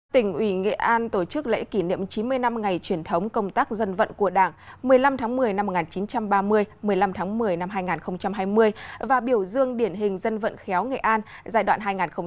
tỉnh ủy nghệ an tổ chức lễ kỷ niệm chín mươi năm ngày truyền thống công tác dân vận của đảng một mươi năm tháng một mươi năm một nghìn chín trăm ba mươi một mươi năm tháng một mươi năm hai nghìn hai mươi và biểu dương điển hình dân vận khéo nghệ an giai đoạn hai nghìn một mươi một hai nghìn hai mươi